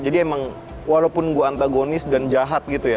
jadi emang walaupun gue antagonis dan jahat gitu ya